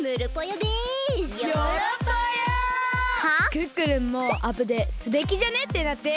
クックルンもアプデすべきじゃねってなって。